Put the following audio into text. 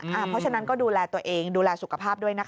เพราะฉะนั้นก็ดูแลตัวเองดูแลสุขภาพด้วยนะคะ